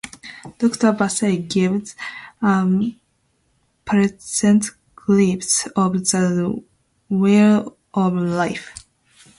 Dr. Vehse gives a pleasant glimpse of the way of life.